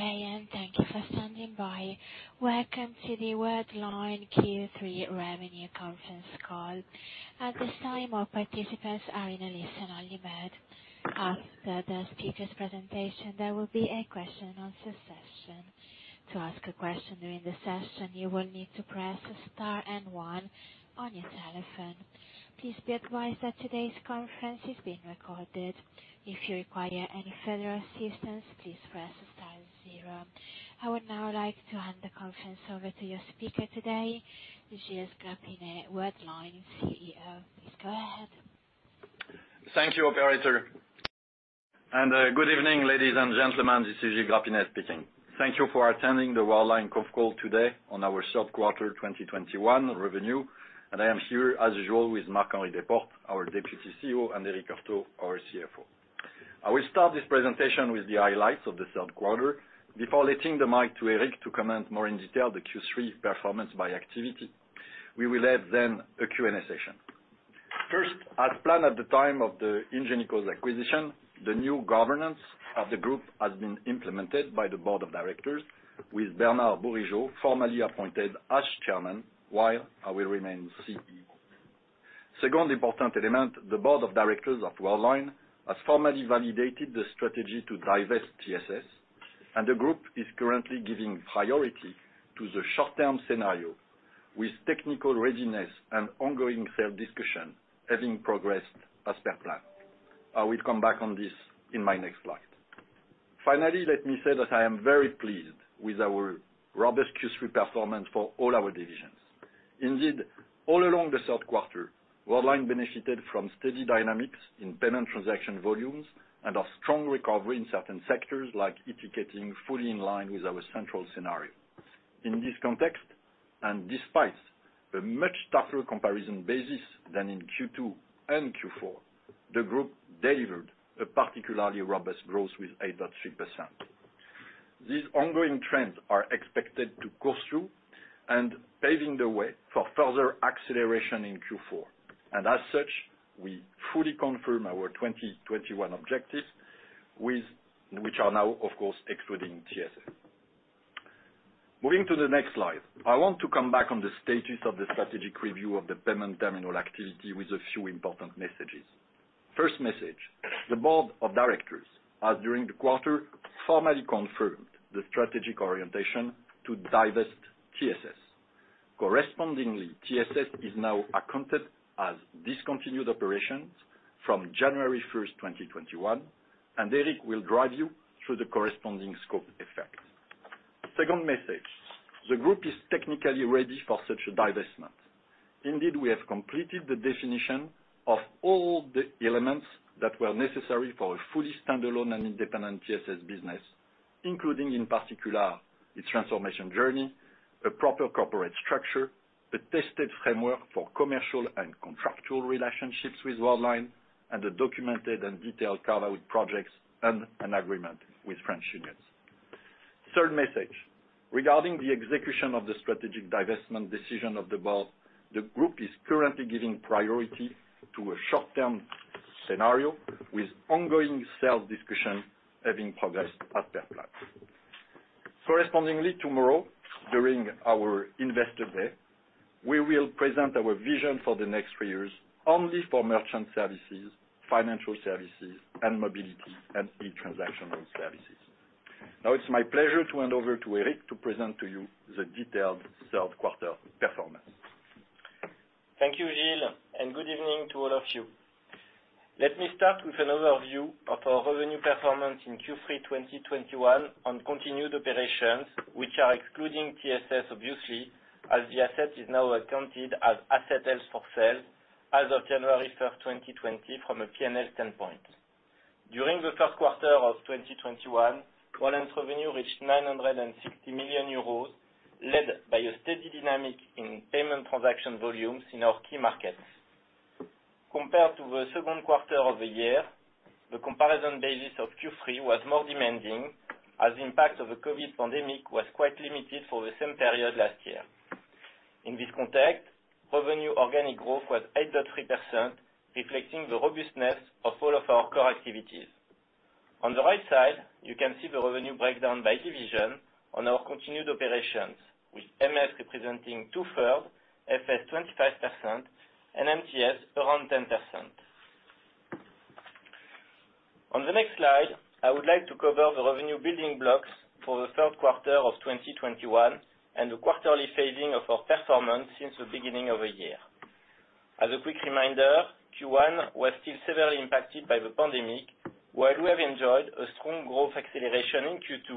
Good day and thank you for standing by. Welcome to the Worldline Q3 Revenue Conference Call. At this time, all participants are in a listen-only mode. After the speakers' presentation, there will be a question-and-answer session. To ask a question during the session, you will need to press star and one on your telephone. Please be advised that today's conference is being recorded. If you require any further assistance, please press star zero. I would now like to hand the conference over to your speaker today, Gilles Grapinet, Worldline CEO. Please go ahead. Thank you, operator. Good evening, ladies and gentlemen. This is Gilles Grapinet speaking. Thank you for attending the Worldline conf call today on our third quarter 2021 revenue. I am here, as usual, with Marc-Henri Desportes, our Deputy CEO, and Eric Heurtaux, our CFO. I will start this presentation with the highlights of the third quarter before letting the mic to Eric to comment more in detail the Q3 performance by activity. We will have then a Q&A session. First, as planned at the time of the Ingenico acquisition, the new governance of the group has been implemented by the board of directors, with Bernard Bourigeaud formally appointed as Chairman while I will remain CEO. Second important element, the board of directors of Worldline has formally validated the strategy to divest TSS, and the group is currently giving priority to the short-term scenario with technical readiness and ongoing sale discussion having progressed as per plan. I will come back on this in my next slide. Finally, let me say that I am very pleased with our robust Q3 performance for all our divisions. Indeed, all along the third quarter, Worldline benefited from steady dynamics in payment transaction volumes and a strong recovery in certain sectors, like e-Ticketing, fully in line with our central scenario. In this context, and despite the much tougher comparison basis than in Q2 and Q4, the group delivered a particularly robust growth with 8.3%. These ongoing trends are expected to go through, paving the way for further acceleration in Q4. As such, we fully confirm our 2021 objectives with which are now, of course, excluding TSS. Moving to the next slide, I want to come back on the status of the strategic review of the payment terminal activity with a few important messages. First message, the Board of Directors, as during the quarter, formally confirmed the strategic orientation to divest TSS. Correspondingly, TSS is now accounted as discontinued operations from January 1, 2021, and Eric will drive you through the corresponding scope effect. Second message, the group is technically ready for such a divestment. Indeed, we have completed the definition of all the elements that were necessary for a fully standalone and independent TSS business, including, in particular, its transformation journey, a proper corporate structure, a tested framework for commercial and contractual relationships with Worldline, and a documented and detailed carve-out projects, and an agreement with French unions. Third message, regarding the execution of the strategic divestment decision of the board, the group is currently giving priority to a short-term scenario with ongoing sales discussions having progressed as per plan. Correspondingly, tomorrow, during our investor day, we will present our vision for the next three years only for Merchant Services, Financial Services, and Mobility & e-Transactional Services. Now it's my pleasure to hand over to Eric to present to you the detailed third quarter performance. Thank you, Gilles, and good evening to all of you. Let me start with an overview of our revenue performance in Q3 2021 on continued operations, which are excluding TSS, obviously, as the asset is now accounted as asset held for sale as of January 1, 2020, from a P&L standpoint. During the third quarter of 2021, Worldline's revenue reached 960 million euros, led by a steady dynamic in payment transaction volumes in our key markets. Compared to the second quarter of the year, the comparison basis of Q3 was more demanding, as the impact of the COVID pandemic was quite limited for the same period last year. In this context, revenue organic growth was 8.3%, reflecting the robustness of all of our core activities. On the right side, you can see the revenue breakdown by division on our continued operations, with MS representing two-thirds, FS 25%, and MTS around 10%. On the next slide, I would like to cover the revenue building blocks for the third quarter of 2021 and the quarterly phasing of our performance since the beginning of the year. As a quick reminder, Q1 was still severely impacted by the pandemic, while we have enjoyed a strong growth acceleration in Q2,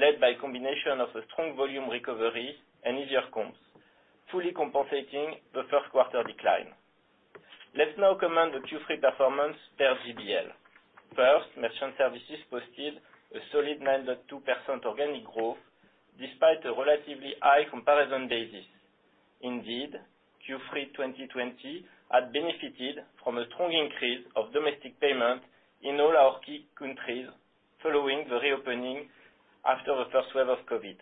led by a combination of a strong volume recovery and easier comps, fully compensating the first quarter decline. Let's now comment the Q3 performance per GBL. First, Merchant Services posted a solid 9.2% organic growth despite a relatively high comparison basis. Indeed, Q3 2020 had benefited from a strong increase of domestic payment in all our key countries following the reopening after the first wave of COVID.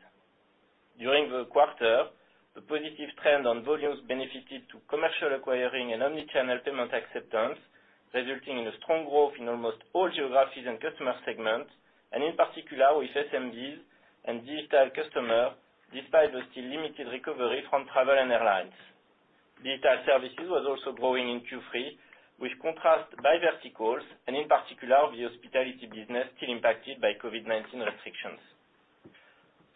During the quarter, the positive trend on volumes benefited to Commercial Acquiring and Omni-channel Payment Acceptance, resulting in a strong growth in almost all geographies and customer segments, and in particular with SMBs and digital customer, despite the still limited recovery from travel and airlines. Digital services was also growing in Q3, which contrast by verticals and in particular the hospitality business still impacted by COVID-19 restrictions.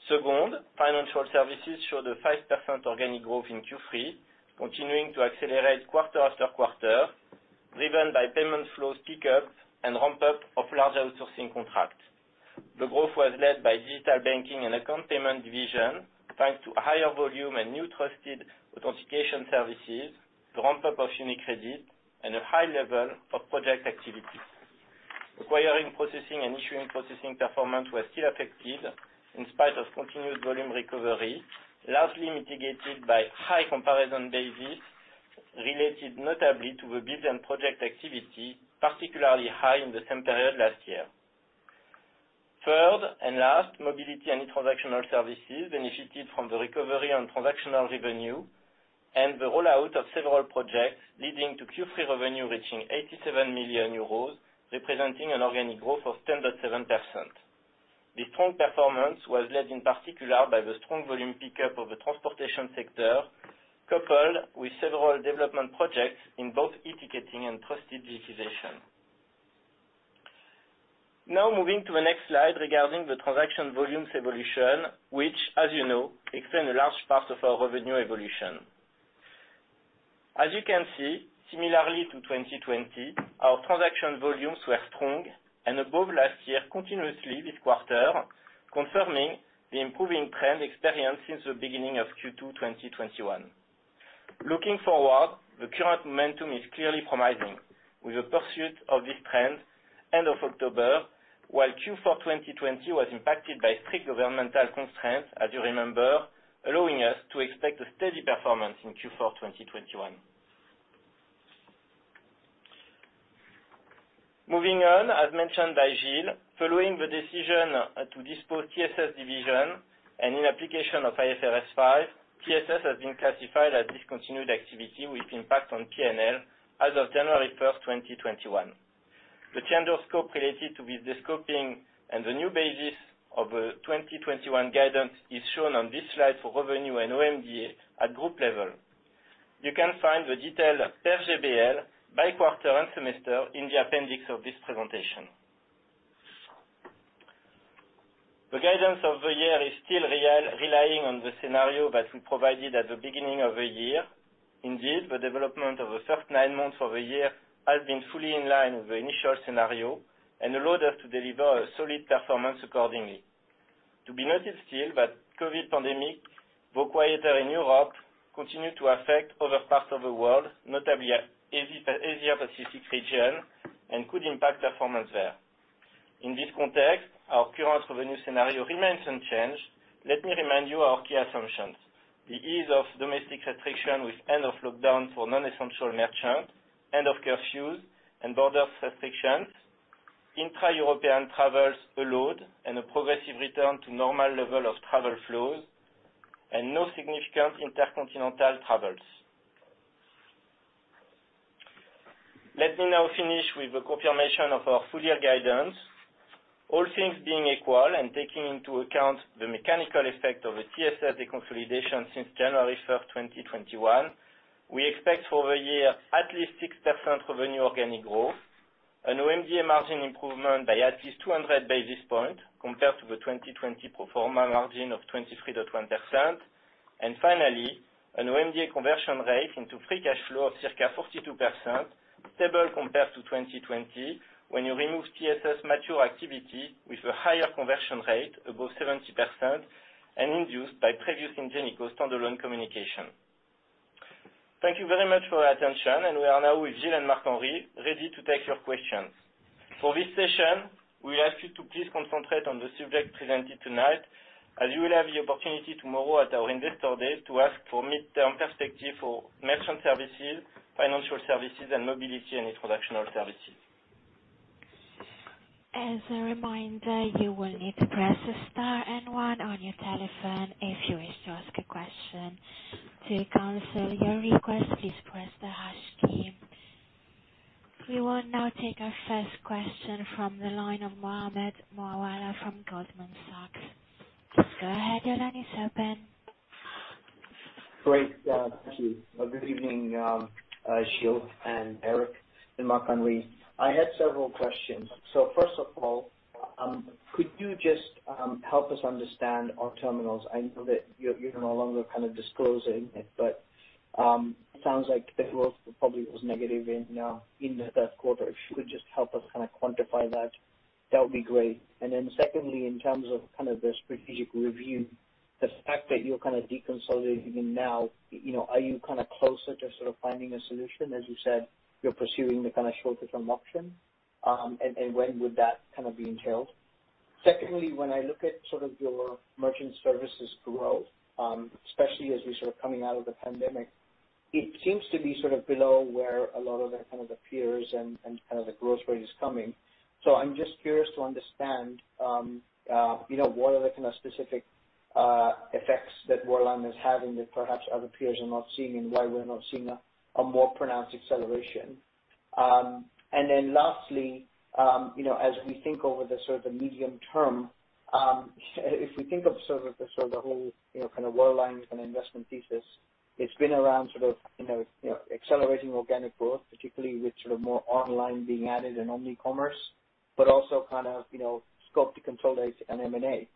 Second, Financial Services showed a 5% organic growth in Q3, continuing to accelerate quarter-after-quarter, driven by payment flows pick-up and ramp-up of large outsourcing contracts. The growth was led by Digital Banking and Account Payments division, thanks to a higher volume and new Trusted Authentication services, the ramp-up of UniCredit, and a high level of project activities. Acquiring Processing and Issuing Processing performance was still affected in spite of continuous volume recovery, largely mitigated by high comparison basis related notably to the bids and project activity, particularly high in the same period last year. Third and last, Mobility & e-Transactional Services benefited from the recovery on transactional revenue and the rollout of several projects, leading to Q3 revenue reaching 87 million euros, representing an organic growth of 10.7%. This strong performance was led in particular by the strong volume pick-up of the transportation sector, coupled with several development projects in both e-Ticketing and Trusted Digitization. Now moving to the next slide regarding the transaction volumes evolution, which, as you know, explain a large part of our revenue evolution. As you can see, similarly to 2020, our transaction volumes were strong and above last year continuously this quarter, confirming the improving trend experienced since the beginning of Q2 2021. Looking forward, the current momentum is clearly promising with the pursuit of this trend end of October, while Q4 2020 was impacted by strict governmental constraints, as you remember, allowing us to expect a steady performance in Q4 2021. Moving on, as mentioned by Gilles, following the decision to dispose TSS division and in application of IFRS 5, TSS has been classified as discontinued activity with impact on P&L as of January 1, 2021. The change of scope related to the descoping and the new basis of 2021 guidance is shown on this slide for revenue and OMDA at group level. You can find the detail per GBL by quarter and semester in the appendix of this presentation. The guidance of the year is still relying on the scenario that we provided at the beginning of the year. Indeed, the development of the first nine months of the year has been fully in line with the initial scenario and allowed us to deliver a solid performance accordingly. To be noted still that COVID pandemic, while quieter in Europe, continued to affect other parts of the world, notably Asia Pacific region, and could impact performance there. In this context, our current revenue scenario remains unchanged. Let me remind you our key assumptions. The easing of domestic restrictions with end of lockdown for non-essential merchants, end of curfews and border restrictions, intra-European travels allowed, and a progressive return to normal level of travel flows, and no significant intercontinental travels. Let me now finish with a confirmation of our full-year guidance. All things being equal and taking into account the mechanical effect of the TSS deconsolidation since January 1, 2021, we expect for the year at least 6% revenue organic growth, an OMDA margin improvement by at least 200 basis points compared to the 2020 pro forma margin of 23.1%. Finally, an OMDA conversion rate into free cash flow of circa 42%, stable compared to 2020 when you remove TSS mature activity with a higher conversion rate above 70% and induced by previous Ingenico standalone communication. Thank you very much for your attention, and we are now with Gilles and Marc-Henri, ready to take your questions. For this session, we ask you to please concentrate on the subject presented tonight, as you will have the opportunity tomorrow at our Investor Day to ask for midterm perspective for Merchant Services, Financial Services, and Mobility & e-Transactional Services. As a reminder, you will need to press star and one on your telephone if you wish to ask a question. To cancel your request, please press the hash key. We will now take our first question from the line of Mohammed Moawalla from Goldman Sachs. Go ahead, your line is open. Great, yeah. Thank you. Good evening, Gilles and Eric and Marc-Henri. I had several questions. First of all, could you just help us understand on terminals? I know that you're no longer kind of disclosing it, but it sounds like the growth probably was negative in the third quarter. If you could just help us kind of quantify that would be great. Secondly, in terms of kind of the strategic review, the fact that you're kind of deconsolidating now, you know, are you kind of closer to sort of finding a solution? As you said, you're pursuing the kind of shorter-term option, and when would that kind of be entailed? Secondly, when I look at sort of your Merchant Services growth, especially as we're sort of coming out of the pandemic. It seems to be sort of below where a lot of the kind of peers and kind of the growth rate is coming. I'm just curious to understand, you know, what are the kind of specific effects that Worldline is having that perhaps other peers are not seeing, and why we're not seeing a more pronounced acceleration. Lastly, you know, as we think over the sort of medium term, if we think of sort of the whole, you know, kind of Worldline kind of investment thesis, it's been around sort of, you know, accelerating organic growth, particularly with sort of more online being added and omni-commerce, but also kind of, you know, scope to control it and M&A.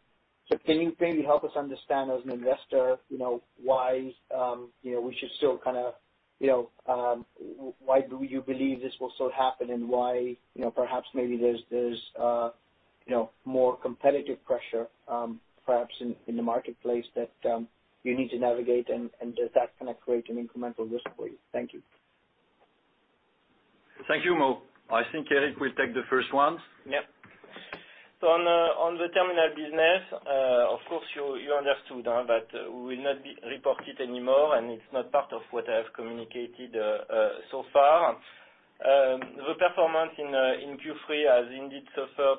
Can you maybe help us understand as an investor, you know, why, you know, we should still kind of, you know, why do you believe this will still happen and why, you know, perhaps maybe there's, you know, more competitive pressure, perhaps in the marketplace that you need to navigate and does that kinda create an incremental risk for you? Thank you. Thank you, Mo. I think Eric will take the first one. Yep. On the terminal business, of course, you understood that we will not be reporting it anymore, and it's not part of what I have communicated so far. The performance in Q3 has indeed suffered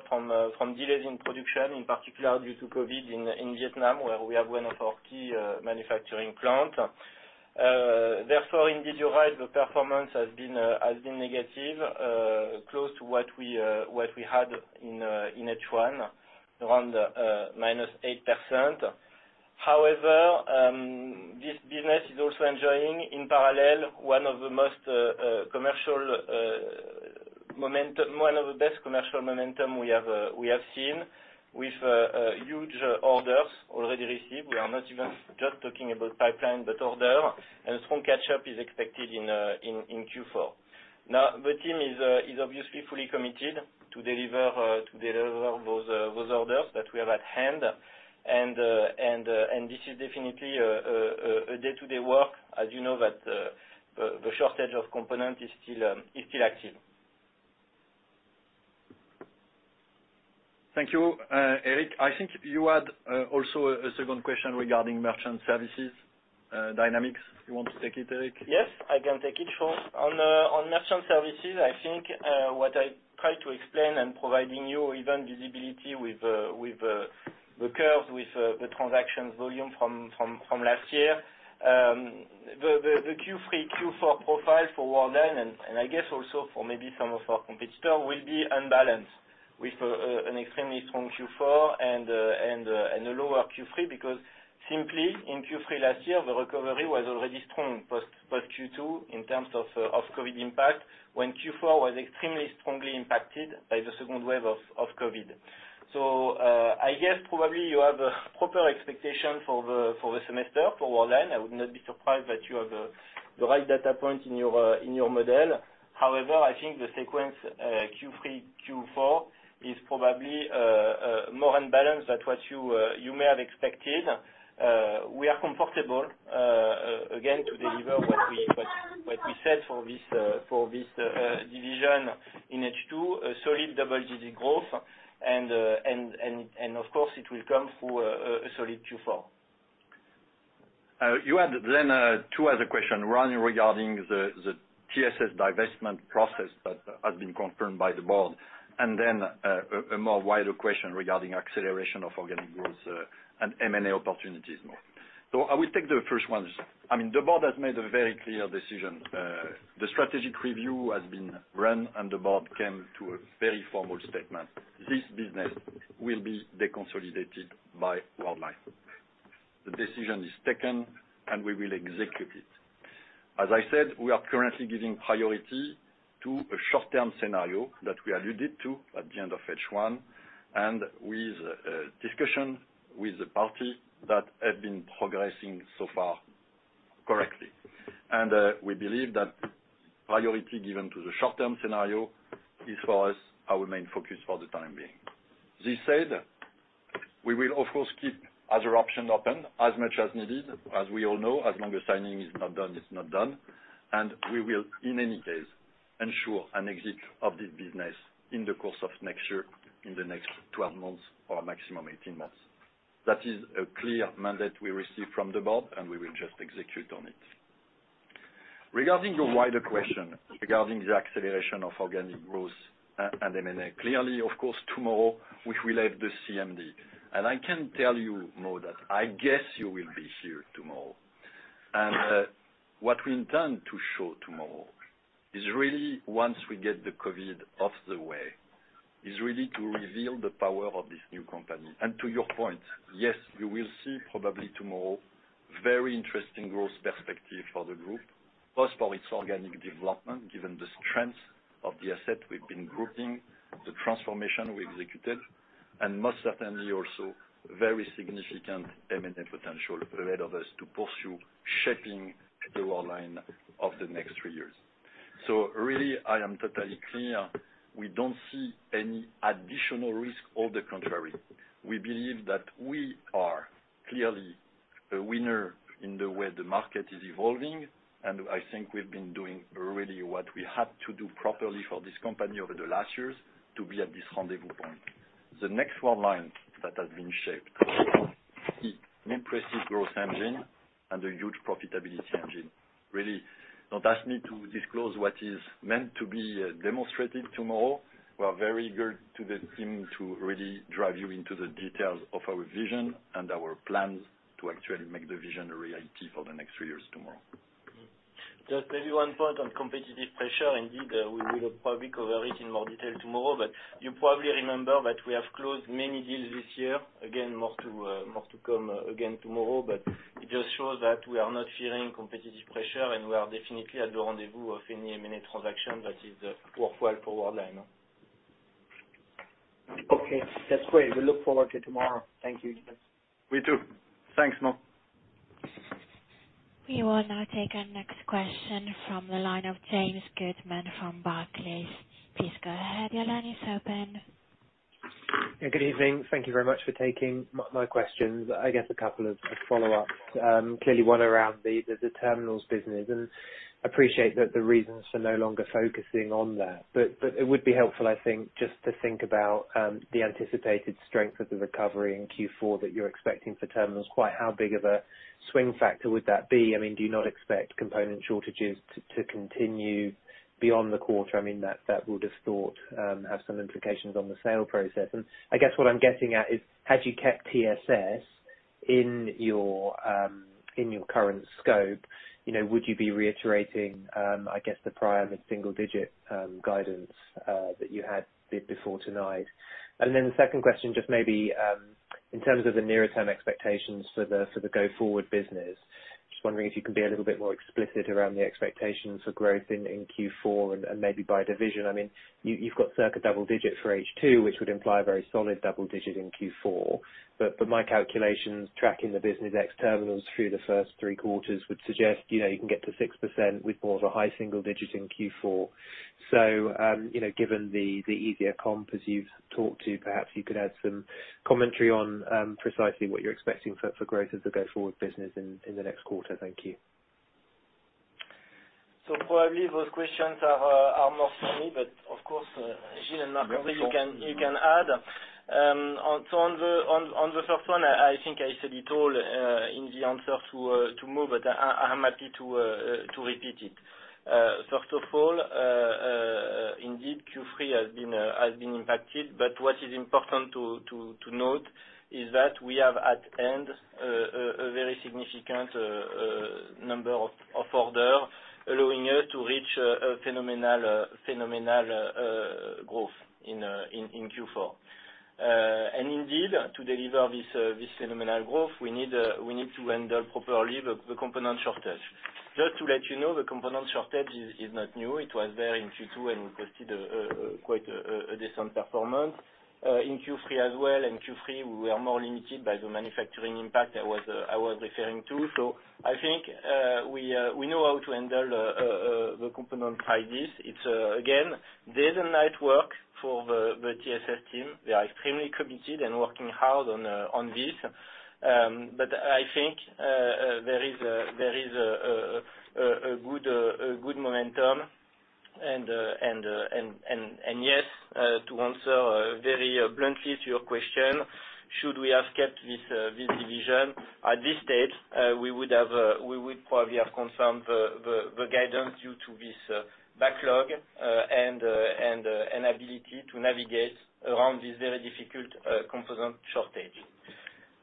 from delays in production, in particular due to COVID in Vietnam, where we have one of our key manufacturing plant. Therefore, indeed, you're right, the performance has been negative, close to what we had in H1, around -8%. However, this business is also enjoying, in parallel, one of the best commercial momentum we have seen with huge orders already received. We are not even just talking about pipeline, but order, and strong catch-up is expected in Q4. Now, the team is obviously fully committed to deliver those orders that we have at hand, and this is definitely a day-to-day work, as you know that the shortage of component is still active. Thank you, Eric. I think you had also a second question regarding Merchant Services dynamics. You want to take it, Eric? Yes, I can take it, sure. On Merchant Services, I think what I try to explain and providing you even visibility with the curves with the transactions volume from last year. The Q3, Q4 profile for Worldline, and I guess also for maybe some of our competitor, will be unbalanced with an extremely strong Q4 and a lower Q3 because simply in Q3 last year, the recovery was already strong post Q2 in terms of COVID impact, when Q4 was extremely strongly impacted by the second wave of COVID. I guess probably you have a proper expectation for the semester for Worldline. I would not be surprised that you have the right data point in your model. However, I think the sequence Q3, Q4 is probably more unbalanced than what you may have expected. We are comfortable again to deliver what we said for this division in H2, a solid double-digit growth and of course it will come through a solid Q4. You had then two other question, one regarding the TSS divestment process that has been confirmed by the board, and then a more wider question regarding acceleration of organic growth and M&A opportunities more. I will take the first one. I mean, the board has made a very clear decision. The strategic review has been run, and the board came to a very formal statement. This business will be deconsolidated by Worldline. The decision is taken, and we will execute it. As I said, we are currently giving priority to a short-term scenario that we alluded to at the end of H1 and with discussion with the party that had been progressing so far correctly. We believe that priority given to the short-term scenario is, for us, our main focus for the time being. That said, we will of course keep other options open as much as needed. As we all know, as long as signing is not done, it's not done, and we will, in any case, ensure an exit of this business in the course of next year, in the next 12 months or maximum 18 months. That is a clear mandate we received from the board, and we will just execute on it. Regarding your wider question regarding the acceleration of organic growth and M&A, clearly, of course, tomorrow we have the CMD. I can tell you more than that, I guess you will be here tomorrow. What we intend to show tomorrow is really once we get the COVID out of the way, is really to reveal the power of this new company. To your point, yes, you will see probably tomorrow very interesting growth perspective for the group. First, for its organic development, given the strength of the asset we've been grouping, the transformation we executed, and most certainly also very significant M&A potential available to pursue shaping the Worldline of the next three years. Really, I am totally clear we don't see any additional risk. On the contrary, we believe that we are clearly a winner in the way the market is evolving, and I think we've been doing really what we had to do properly for this company over the last years to be at this rendezvous point. The next Worldline that has been shaped. An impressive growth engine and a huge profitability engine. Really. Don't ask me to disclose what is meant to be demonstrated tomorrow. We are very eager for the team to really dive into the details of our vision and our plans to actually make the vision a reality for the next three years tomorrow. Just maybe one point on competitive pressure. Indeed, we will probably cover it in more detail tomorrow, but you probably remember that we have closed many deals this year. Again, more to come again tomorrow. But it just shows that we are not fearing competitive pressure, and we are definitely at the rendezvous of any M&A transaction that is worthwhile for Worldline. Okay, that's great. We look forward to tomorrow. Thank you. We too. Thanks, Mo. We will now take our next question from the line of James Goodman from Barclays. Please go ahead. Your line is open. Yeah, good evening. Thank you very much for taking my questions. I guess a couple of follow-ups. Clearly one around the terminals business. Appreciate the reasons for no longer focusing on that. It would be helpful, I think, just to think about the anticipated strength of the recovery in Q4 that you're expecting for terminals. Quite how big of a swing factor would that be? I mean, do you not expect component shortages to continue beyond the quarter? I mean, that will distort, have some implications on the sale process. I guess what I'm getting at is, had you kept TSS in your current scope, you know, would you be reiterating, I guess the prior mid-single digit guidance that you had before tonight? The second question, just maybe, in terms of the nearer term expectations for the go-forward business. Just wondering if you can be a little bit more explicit around the expectations for growth in Q4 and maybe by division. I mean, you've got circa double digits for H2, which would imply very solid double digits in Q4. My calculations tracking the business ex terminals through the first three quarters would suggest, you know, you can get to 6% with more of a high single digit in Q4. You know, given the easier comp as you've talked to, perhaps you could add some commentary on precisely what you're expecting for growth of the go-forward business in the next quarter. Thank you. Probably those questions are more for me, but of course, Gilles and Marc-Henri, maybe you can add. On the first one, I think I said it all in the answer to Mo, but I'm happy to repeat it. First of all, indeed, Q3 has been impacted, but what is important to note is that we have at hand a very significant number of orders, allowing us to reach a phenomenal growth in Q4. Indeed, to deliver this phenomenal growth, we need to handle properly the component shortage. Just to let you know, the component shortage is not new. It was there in Q2, and we posted quite a decent performance. In Q3 as well. In Q3, we are more limited by the manufacturing impact I was referring to. So I think we know how to handle the component crisis. It's again day and night work for the TSS team. They are extremely committed and working hard on this. But I think there is a good momentum. Yes, to answer very bluntly to your question, should we have kept this division? At this stage, we would probably have confirmed the guidance due to this backlog and ability to navigate around this very difficult component shortage.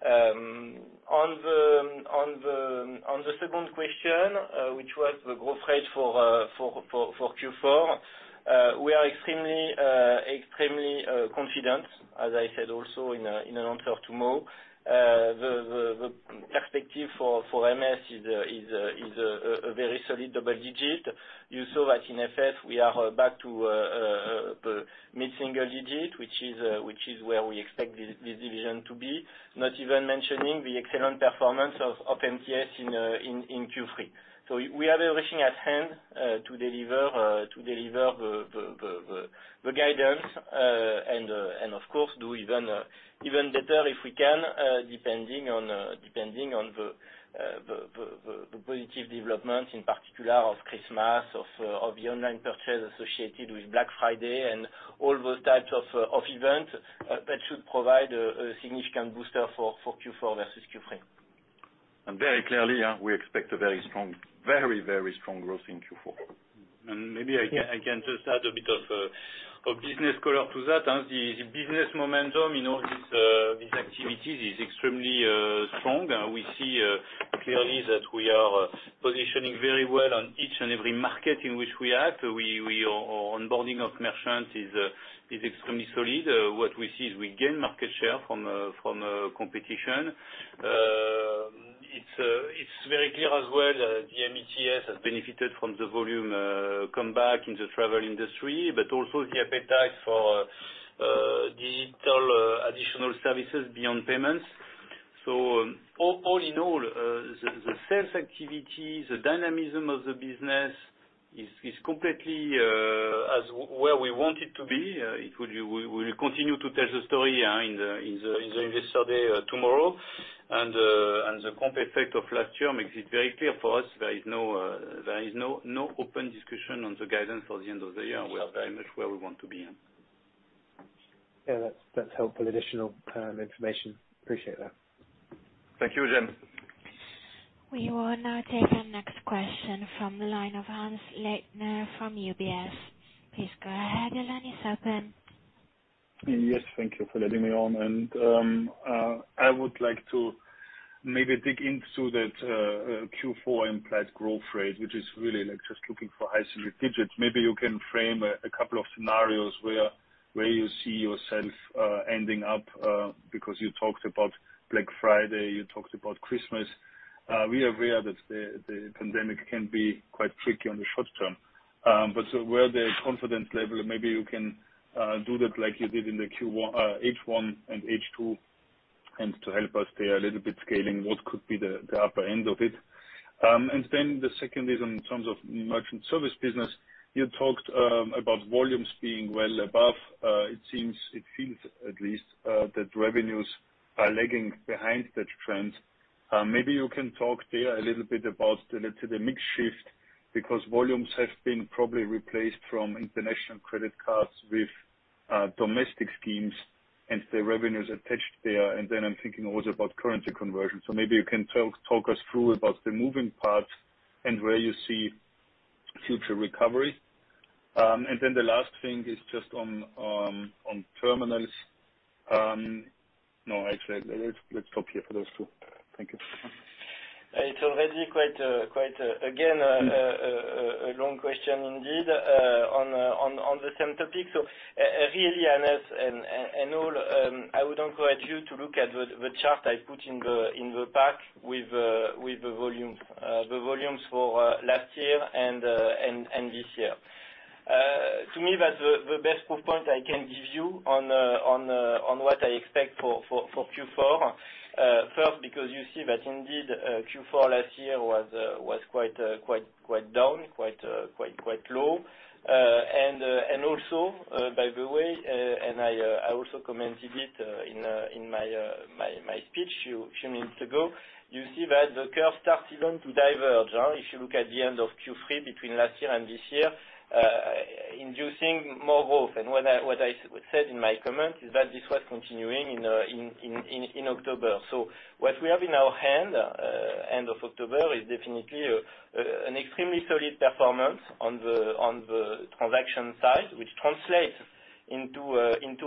On the second question, which was the growth rate for Q4, we are extremely confident, as I said, also in an answer to Mo. The perspective for MS is a very solid double digit. You saw that in FS, we are back to mid-single digit, which is where we expect this division to be. Not even mentioning the excellent performance of MTS in Q3. We have everything at hand to deliver the guidance and of course do even better if we can, depending on the positive development, in particular of Christmas, of the online purchase associated with Black Friday and all those types of event that should provide a significant booster for Q4 versus Q3. Very clearly, we expect a very strong growth in Q4. Maybe I can just add a bit of business color to that. The business momentum, you know, these activities is extremely strong. We see clearly that we are positioning very well on each and every market in which we act. Onboarding of merchants is extremely solid. What we see is we gain market share from competition. It's very clear as well, the MeTS has benefited from the volume comeback in the travel industry, but also the appetite for digital additional services beyond payments. All in all, the sales activity, the dynamism of the business is completely as we want it to be. We will continue to tell the story in the Investor Day tomorrow. The comp effect of last year makes it very clear for us there is no open discussion on the guidance for the end of the year. We are very much where we want to be. Yeah, that's helpful additional information. Appreciate that. Thank you, Jim. We will now take our next question from the line of Hannes Leitner from UBS. Please go ahead, your line is open. Yes, thank you for letting me on. I would like to maybe dig into that Q4 implied growth rate, which is really like just looking for high single digits. Maybe you can frame a couple of scenarios where you see yourself ending up, because you talked about Black Friday, you talked about Christmas. We are aware that the pandemic can be quite tricky in the short term. Where is the confidence level? Maybe you can do that like you did in the Q1, H1 and H2, and to help us there a little bit scaling what could be the upper end of it. The second is in terms of Merchant Services business. You talked about volumes being well above. It feels at least that revenues are lagging behind that trend. Maybe you can talk there a little bit about the mix shift, because volumes have been probably replaced from international credit cards with domestic schemes and the revenues attached there. I'm thinking also about currency conversion. Maybe you can talk us through about the moving parts and where you see future recovery. The last thing is just on terminals. No, actually, let's stop here for those two. Thank you. It's already quite again a long question indeed on the same topic. Really, Hannes and all, I would encourage you to look at the chart I put in the pack with the volumes for last year and this year. To me, that's the best proof point I can give you on what I expect for Q4. First, because you see that indeed Q4 last year was quite down, quite low. I also commented it in my speech a few minutes ago. You see that the curve started to diverge. If you look at the end of Q3 between last year and this year, inducing more growth. What I said in my comment is that this was continuing in October. What we have in hand end of October is definitely an extremely solid performance on the transaction side, which translates into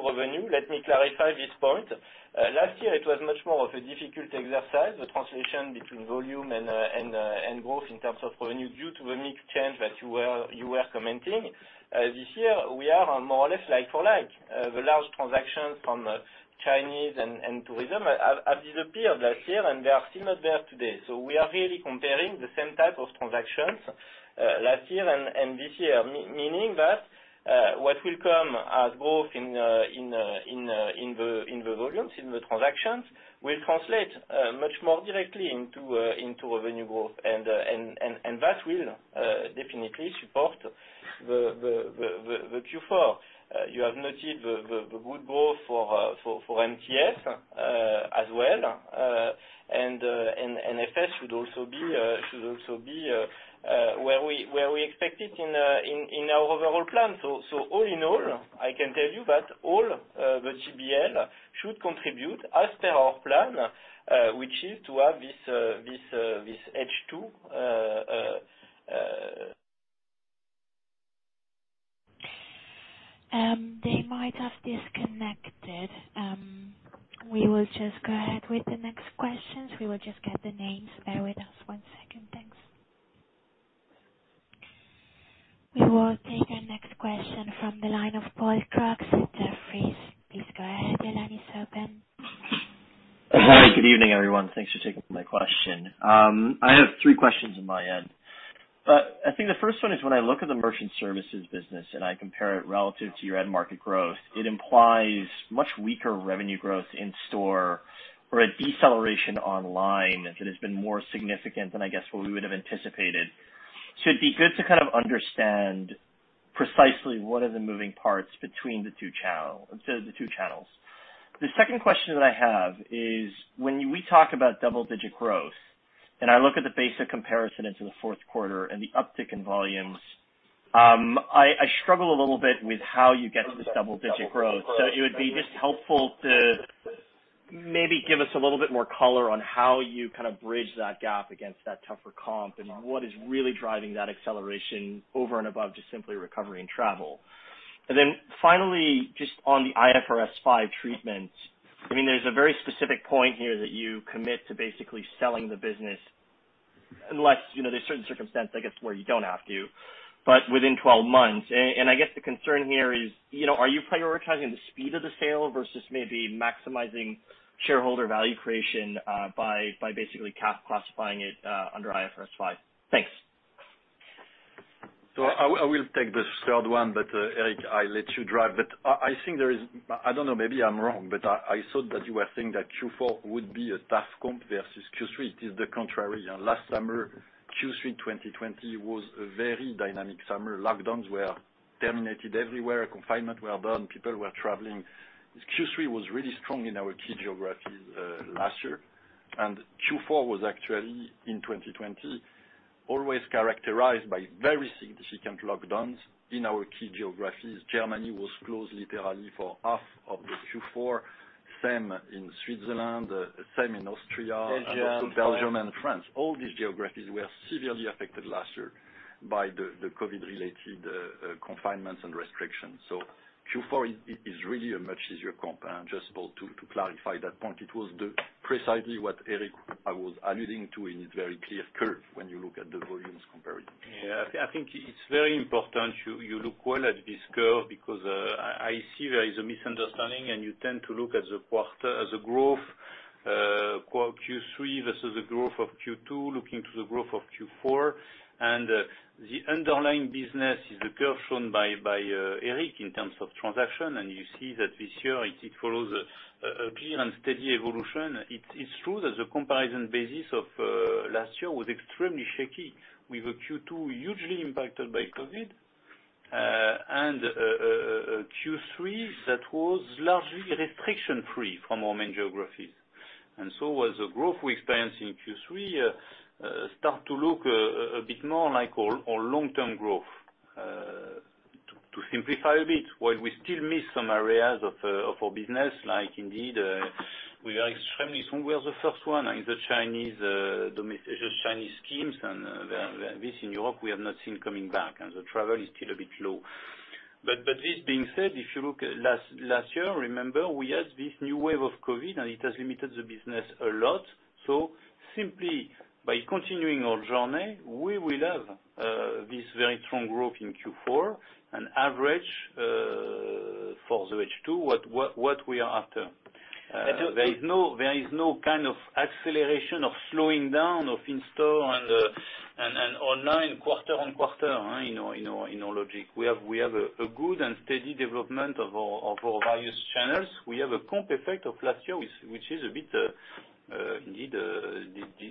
revenue. Let me clarify this point. Last year, it was much more of a difficult exercise, the translation between volume and growth in terms of revenue due to the mix change that you were commenting. This year, we are more or less like for like. The large transactions from Chinese and tourism have disappeared last year, and they are still not there today. We are really comparing the same type of transactions last year and this year, meaning that what will come as growth in the volumes, in the transactions, will translate much more directly into revenue growth. That will definitely support the Q4. You have noted the good growth for MTS as well. FS should also be where we expect it in our overall plan. All in all, I can tell you that the GBL should contribute as per our plan, which is to have this H2. They might have disconnected. We will just go ahead with the next questions. We will just get the names. Bear with us one second. Thanks. We will take our next question from the line of Paul Kratz at Jefferies. Please go ahead. Your line is open. Hi. Good evening, everyone. Thanks for taking my question. I have three questions on my end. I think the first one is when I look at the Merchant Services business and I compare it relative to your end market growth; it implies much weaker revenue growth in store or a deceleration online that has been more significant than I guess what we would have anticipated. It'd be good to kind of understand precisely what are the moving parts between the two channels. The second question that I have is when we talk about double-digit growth, and I look at the basic comparison into the fourth quarter and the uptick in volumes, I struggle a little bit with how you get to this double-digit growth. It would be just helpful to maybe give us a little bit more color on how you kind of bridge that gap against that tougher comp and what is really driving that acceleration over and above just simply recovery and travel. Finally, just on the IFRS 5 treatment, I mean, there's a very specific point here that you commit to basically selling the business unless, you know, there's certain circumstances, I guess, where you don't have to, but within 12 months. I guess the concern here is, you know, are you prioritizing the speed of the sale versus maybe maximizing shareholder value creation by basically classifying it under IFRS 5? Thanks. I will take this third one, but, Eric, I'll let you drive. I think there is. I don't know, maybe I'm wrong, but I thought that you were saying that Q4 would be a tough comp versus Q3. It is the contrary. Last summer, Q3 2020 was a very dynamic summer. Lockdowns were terminated everywhere, confinements were done, people were traveling. Q3 was really strong in our key geographies, last year. Q4 was actually in 2020, always characterized by very significant lockdowns in our key geographies. Germany was closed literally for half of the Q4, same in Switzerland, same in Austria. Belgium- Also Belgium and France. All these geographies were severely affected last year by the COVID-related confinements and restrictions. Q4 is really a much easier comp. Just, Paul, to clarify that point, it was precisely what Eric was alluding to in his very clear curve when you look at the volumes comparison. Yeah. I think it's very important you look well at this curve because I see there is a misunderstanding, and you tend to look at the quarter as a growth Q3 versus the growth of Q2, looking to the growth of Q4. The underlying business is the curve shown by Eric in terms of transaction. You see that this year it follows a clear and steady evolution. It is true that the comparison basis of last year was extremely shaky, with a Q2 hugely impacted by COVID and a Q3 that was largely restriction-free from our main geographies. As the growth we experienced in Q3 starts to look a bit more like our long-term growth, to simplify a bit, while we still miss some areas of our business, like indeed we are extremely strong. We are the first one in the Chinese schemes, and this in Europe we have not seen coming back, and the travel is still a bit low. This being said, if you look at last year, remember we had this new wave of COVID, and it has limited the business a lot. Simply by continuing our journey, we will have this very strong growth in Q4 and average for the H2 what we are after. There is no kind of acceleration of slowing down of in-store and online quarter on quarter in our logic. We have a good and steady development of our various channels. We have a comp effect of last year which is a bit indeed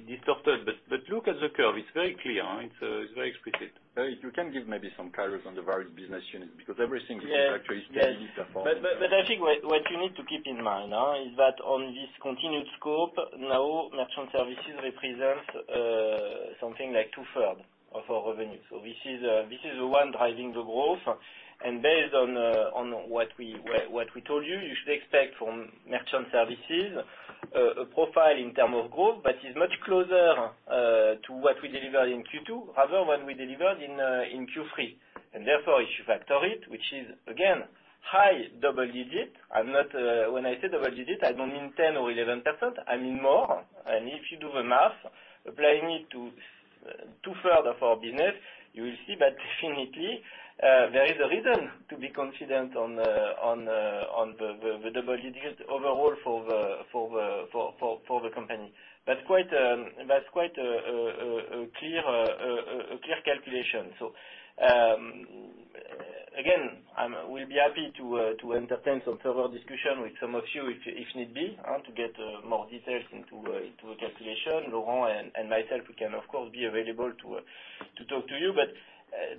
disrupted. Look at the curve. It's very clear, it's very explicit. Eric, you can give maybe some colors on the various business units, because everything is actually steadily performing. Yes. I think what you need to keep in mind is that on this continued scope, now Merchant Services represents something like two-thirds of our revenue. This is the one driving the growth. Based on what we told you should expect from Merchant Services a profile in terms of growth that is much closer to what we delivered in Q2 rather than what we delivered in Q3. Therefore, if you factor it, which is again high double-digit. When I say double-digit, I don't mean 10 or 11%, I mean more. If you do the math, applying it to the future for our business, you will see that definitely there is a reason to be confident on the double-digit overall for the company. That's quite a clear calculation. Again, we'll be happy to entertain some further discussion with some of you if need be to get more details into a calculation. Laurent and myself, we can of course be available to talk to you.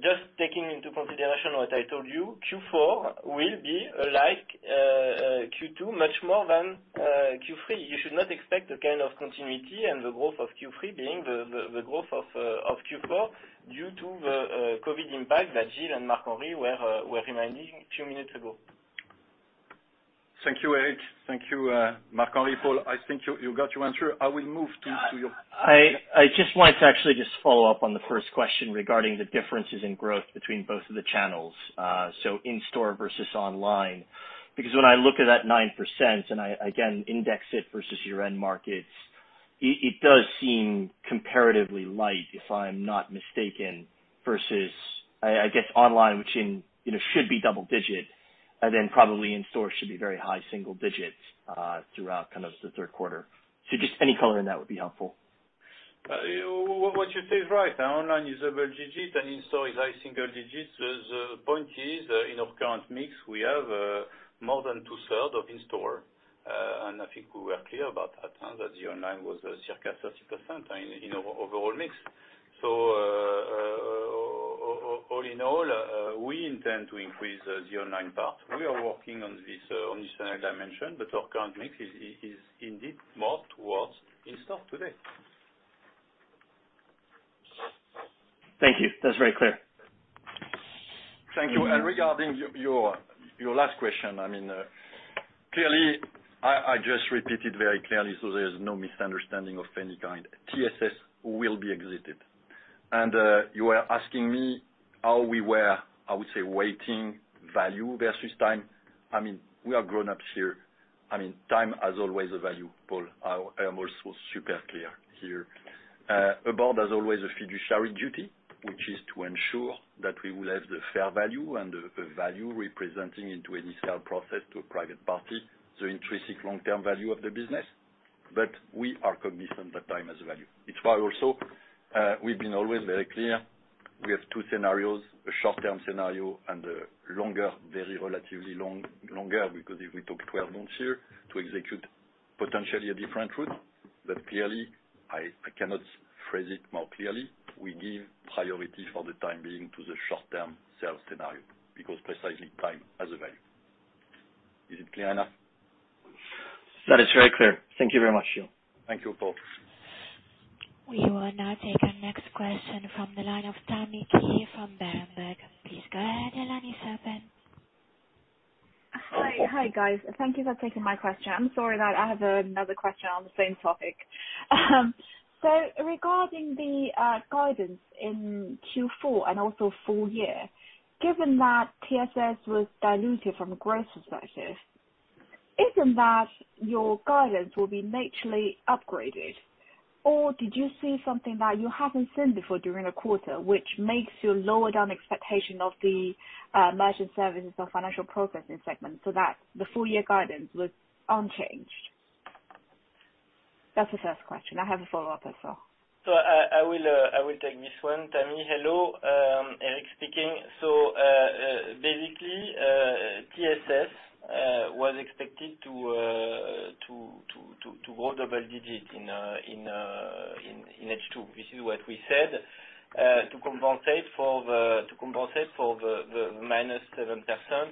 Just taking into consideration what I told you, Q4 will be like Q2 much more than Q3. You should not expect a kind of continuity and the growth of Q3 being the growth of Q4 due to the COVID impact that Gilles and Marc-Henri Desportes were reminding a few minutes ago. Thank you, Eric. Thank you, Marc-Henri Desportes. Paul, I think you got your answer. I will move to your- I just wanted to actually just follow up on the first question regarding the differences in growth between both of the channels, so in-store versus online. Because when I look at that 9%, and I, again, index it versus your end markets, it does seem comparatively light, if I'm not mistaken, versus I guess online, which, you know, should be double-digit, and then probably in-store should be very high single-digit throughout kind of the third quarter. Just any color on that would be helpful. What you say is right. Online is double digit and in-store is high single digits. The point is, in our current mix, we have more than two-thirds of in-store. I think we were clear about that the online was circa 30% in our overall mix. All in all, we intend to increase the online part. We are working on this, on this dimension, but our current mix is indeed more towards in-store today. Thank you. That's very clear. Thank you. Regarding your last question, I mean, clearly, I just repeat it very clearly so there is no misunderstanding of any kind. TSS will be exited. You are asking me how we were, I would say, weighting value versus time. I mean, we are grown-ups here. I mean, time has always a value, Paul. I am also super clear here. A board has always a fiduciary duty, which is to ensure that we will have the fair value and the value representing into any sale process to a private party, the intrinsic long-term value of the business. But we are cognizant that time has a value. It's why also, we've been always very clear. We have two scenarios, a short-term scenario and a longer, very relatively long, because if we took 12 months here to execute potentially a different route. Clearly, I cannot phrase it more clearly. We give priority for the time being to the short-term sales scenario because precisely time has a value. Is it clear enough? That is very clear. Thank you very much, Gilles. Thank you both. We will now take our next question from the line of Tammy Qiu from Berenberg. Please go ahead. Your line is open. Hi. Hi guys. Thank you for taking my question. I'm sorry that I have another question on the same topic. Regarding the guidance in Q4 and also full year, given that TSS was dilutive from a growth perspective, isn't that your guidance will be naturally upgraded? Or did you see something that you haven't seen before during the quarter, which makes you lower down expectation of the Merchant Services or Financial Services segment so that the full year guidance was unchanged? That's the first question. I have a follow-up as well. I will take this one. Tammy, hello, Eric speaking. Basically, TSS was expected to grow double-digit in H2, which is what we said to compensate for the minus 7%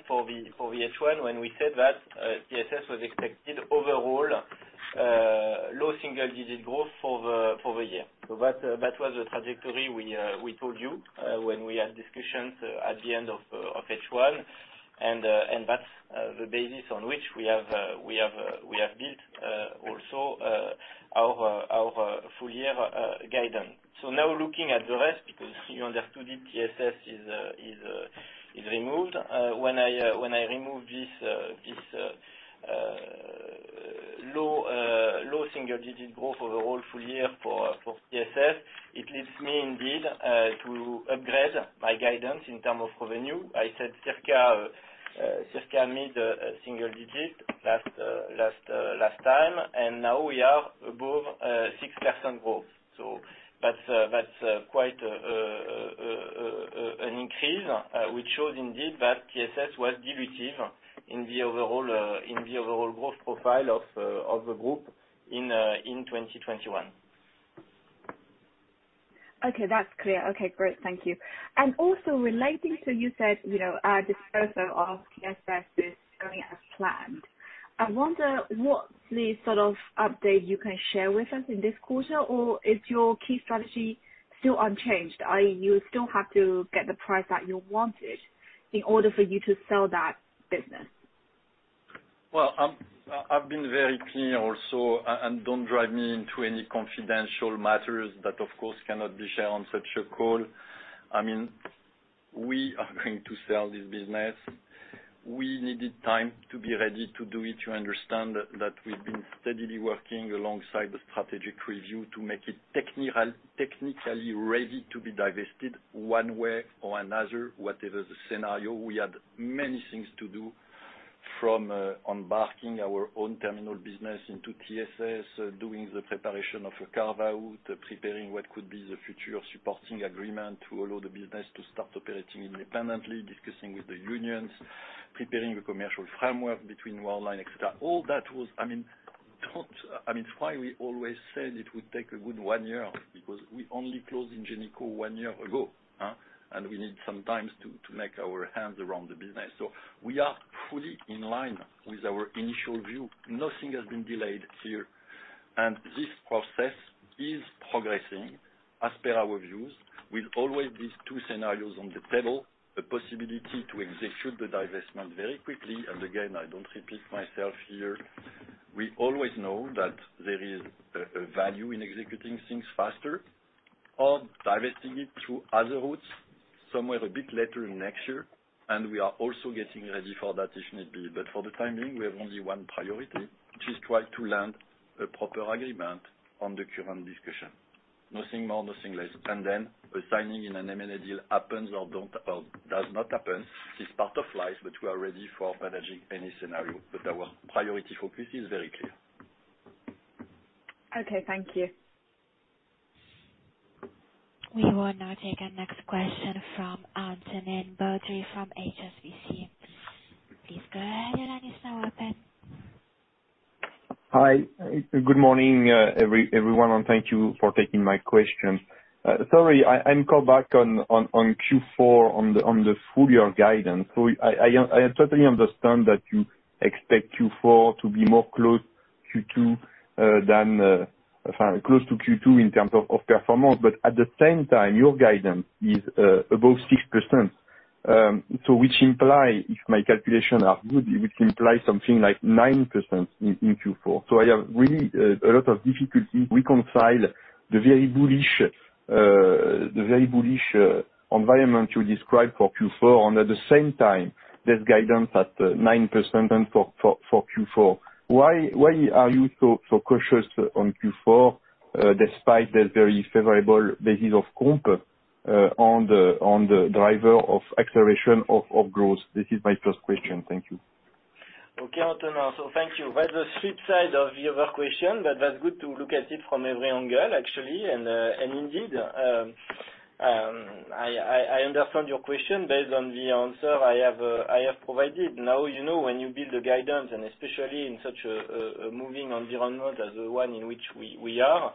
for the H1 when we said that TSS was expected overall low single-digit growth for the year. That was the trajectory we told you when we had discussions at the end of H1 and that's the basis on which we have built also our full-year guidance. Now looking at the rest, because you understood it, TSS is removed. When I remove this low single-digit growth overall full-year for TSS, it leads me indeed to upgrade my guidance in terms of revenue. I said circa mid-single-digit last time, and now we are above 6% growth. That's quite an increase, which shows indeed that TSS was dilutive in the overall growth profile of the group in 2021. Okay. That's clear. Okay, great. Thank you. Also relating to what you said, you know, disposal of TSS is going as planned. I wonder what sort of update you can share with us in this quarter or is your key strategy still unchanged, i.e. you still have to get the price that you wanted in order for you to sell that business? I've been very clear also, and don't drive me into any confidential matters that of course cannot be shared on such a call. I mean, we are going to sell this business. We needed time to be ready to do it. You understand that we've been steadily working alongside the strategic review to make it technically ready to be divested one way or another, whatever the scenario. We had many things to do, embarking our own terminal business into TSS, doing the preparation of a carve-out, preparing what could be the future supporting agreement to allow the business to start operating independently, discussing with the unions, preparing the commercial framework between Worldline, et cetera. All that, I mean, it's why we always said it would take a good one year because we only closed Ingenico one year ago. We need some time to get our hands around the business. We are fully in line with our initial view. Nothing has been delayed here. This process is progressing as per our views. With always these two scenarios on the table, the possibility to execute the divestment very quickly, and again, I don't repeat myself here. We always know that there is a value in executing things faster or divesting it through other routes somewhere a bit later next year. We are also getting ready for that if need be. For the time being, we have only one priority, which is try to land a proper agreement on the current discussion. Nothing more, nothing less. Then a signing in an M&A deal happens or doesn't, or does not happen. It's part of life, but we are ready for managing any scenario. Our priority focus is very clear. Okay, thank you. We will now take our next question from Antonin Baudry from HSBC. Please go ahead. Your line is now open. Hi. Good morning, everyone, and thank you for taking my question. Sorry, I'm calling back on Q4 on the full year guidance. I totally understand that you expect Q4 to be closer to Q2 than close to Q2 in terms of performance, but at the same time your guidance is above 6%, which implies if my calculations are good, something like 9% in Q4. I have really a lot of difficulty reconciling the very bullish environment you describe for Q4 and at the same time there's guidance at 9% for Q4. Why are you so cautious on Q4 despite the very favorable basis of comp on the driver of acceleration of growth? This is my first question. Thank you. Okay, Antonin. Thank you. That's the flip side of the other question, but that's good to look at it from every angle actually, and indeed. I understand your question based on the answer I have provided. Now, you know, when you build a guidance, and especially in such a moving environment as the one in which we are,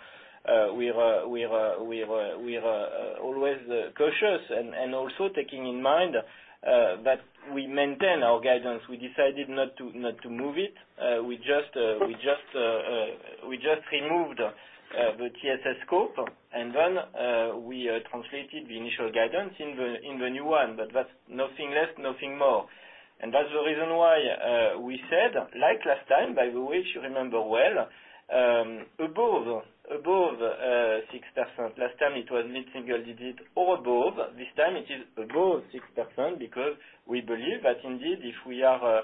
always cautious and also taking in mind that we maintain our guidance. We decided not to move it. We just removed the TSS scope, and then we translated the initial guidance in the new one. But that's nothing less, nothing more. That's the reason why we said, like last time, by the way, if you remember well, above 6%. Last time it was mid-single digit or above. This time it is above 6% because we believe that indeed, if we are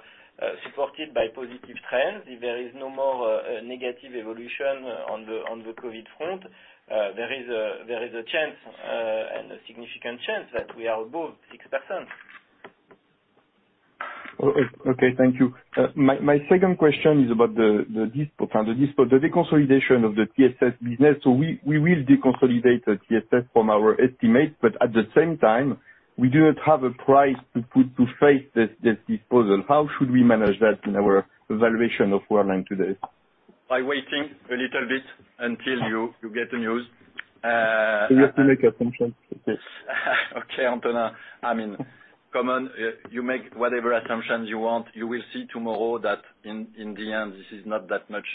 supported by positive trends, if there is no more negative evolution on the COVID front, there is a chance and a significant chance that we are above 6%. Okay, thank you. My second question is about the deconsolidation of the TSS business. We will deconsolidate the TSS from our estimate, but at the same time we do not have a price to put on this disposal. How should we manage that in our evaluation of Worldline today? By waiting a little bit until you get the news. We have to make assumptions. Yes. Okay, Antonin. I mean, come on. You make whatever assumptions you want. You will see tomorrow that in the end, this is not that much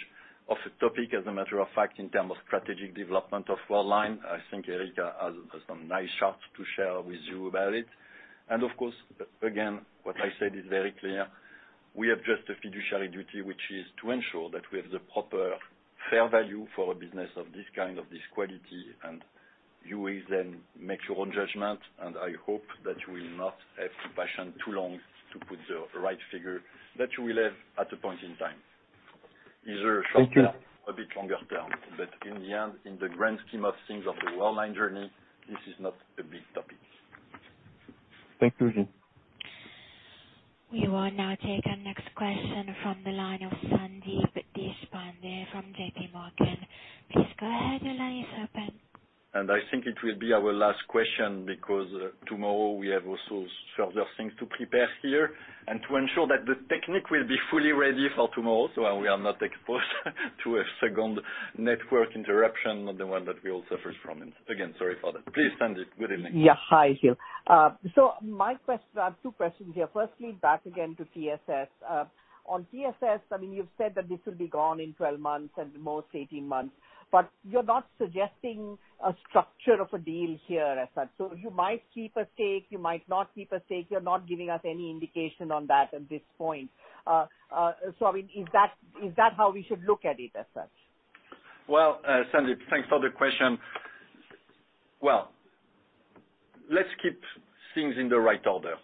of a topic as a matter of fact in terms of strategic development of Worldline. I think Eric Heurtaux has some nice charts to share with you about it. Of course, again, what I said is very clear. We have just a fiduciary duty, which is to ensure that we have the proper fair value for a business of this kind, of this quality, and you will then make your own judgment, and I hope that you will not have to take too long to put the right figure that you will have at a point in time. Either short term- Thank you. A bit longer term. In the end, in the grand scheme of things of the Worldline journey, this is not a big topic. Thank you, Gilles Grapinet. We will now take our next question from the line of Sandeep Deshpande from J.P. Morgan. Please go ahead, your line is open. I think it will be our last question because tomorrow we have also further things to prepare here and to ensure that the technique will be fully ready for tomorrow, so we are not exposed to a second network interruption on the one that we all suffered from. Again, sorry for that. Please, Sandeep. Good evening. Yeah. Hi, Gilles. I have two questions here. Firstly, back again to TSS. On TSS, I mean you've said that this will be gone in 12 months and at most 18 months, but you're not suggesting a structure of a deal here as such. You might keep a stake, you might not keep a stake. You're not giving us any indication on that at this point. I mean, is that how we should look at it as such? Well, Sandeep, thanks for the question. Well, let's keep things in the right order.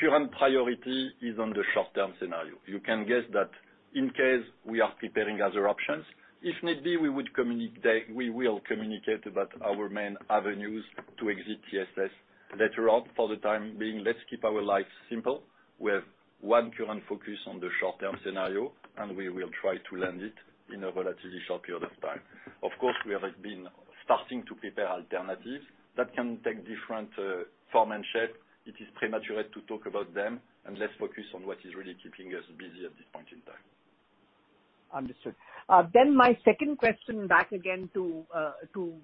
Current priority is on the short-term scenario. You can guess that in case we are preparing other options. If need be, we would communicate. We will communicate about our main avenues to exit TSS later on. For the time being, let's keep our lives simple. We have one current focus on the short-term scenario, and we will try to land it in a relatively short period of time. Of course, we have been starting to prepare alternatives that can take different form and shape. It is premature to talk about them, and let's focus on what is really keeping us busy at this point in time. Understood. My second question back again to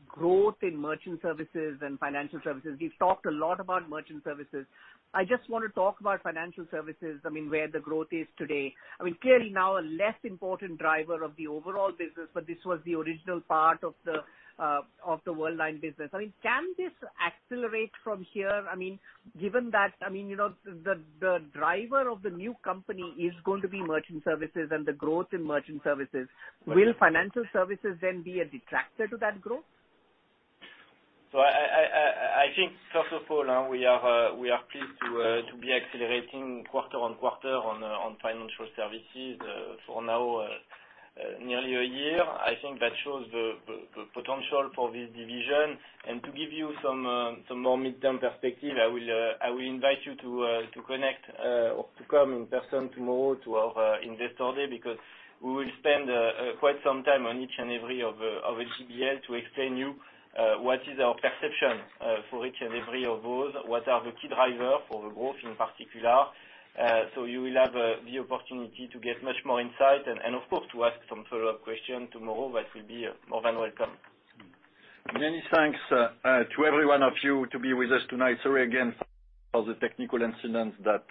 growth in Merchant Services and Financial Services. We've talked a lot about Merchant Services. I just wanna talk about Financial Services. I mean, where the growth is today. I mean, clearly now a less important driver of the overall business, but this was the original part of the Worldline business. I mean, can this accelerate from here? I mean, given that, I mean, you know, the driver of the new company is going to be Merchant Services and the growth in Merchant Services. Will Financial Services then be a detractor to that growth? I think first of all, we are pleased to be accelerating quarter-on-quarter on Financial Services for now nearly a year. I think that shows the potential for this division. To give you some more midterm perspective, I will invite you to connect or to come in person tomorrow to our Investor Day, because we will spend quite some time on each and every of GBL to explain you what is our perception for each and every of those, what are the key driver for the growth in particular. You will have the opportunity to get much more insight and of course to ask some follow-up question tomorrow that will be more than welcome. Many thanks to every one of you to be with us tonight. Sorry again for the technical incidents that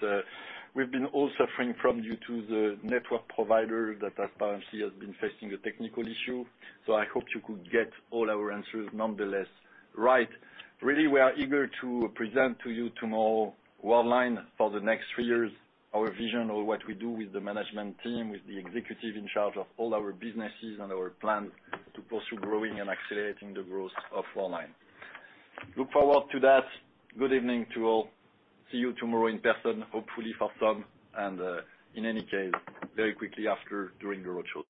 we've been all suffering from due to the network provider that apparently has been facing a technical issue. I hope you could get all our answers nonetheless, right. Really, we are eager to present to you tomorrow Worldline for the next three years, our vision of what we do with the management team, with the executive in charge of all our businesses and our plans to pursue growing and accelerating the growth of Worldline. Look forward to that. Good evening to all. See you tomorrow in person, hopefully for some and, in any case, very quickly after, during the roadshow.